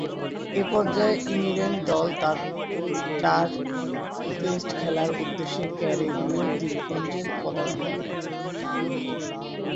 এ পর্যায়ে ইংল্যান্ড দল চার-টেস্ট খেলার উদ্দেশ্যে ক্যারিবীয় দ্বীপপুঞ্জে পদার্পণ করে।